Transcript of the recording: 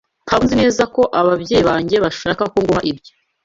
Ntabwo nzi neza ko ababyeyi banjye bashaka ko nguha ibyo.